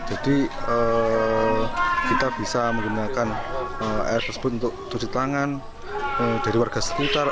jadi kita bisa menggunakan air tersebut untuk cuci tangan dari warga sekitar